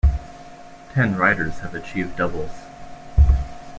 Ten riders have achieved doubles.